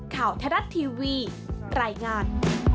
ข่าวทรัฐทีวีตรายงาน